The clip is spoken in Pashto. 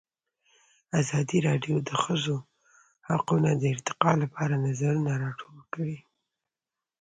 ازادي راډیو د د ښځو حقونه د ارتقا لپاره نظرونه راټول کړي.